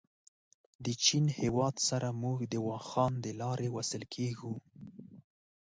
د چین هېواد سره موږ د واخان دلاري وصل کېږو.